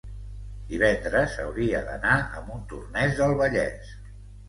divendres hauria d'anar a Montornès del Vallès.